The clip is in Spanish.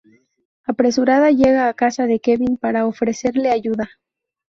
Apresurada, llega a casa de Kevin para ofrecerle ayuda.